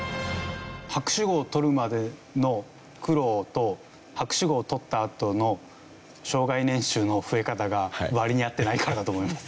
博士号を取るまでの苦労と博士号を取ったあとの生涯年収の増え方が割に合ってないからだと思います。